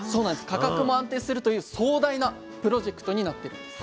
価格も安定するという壮大なプロジェクトになってるんです。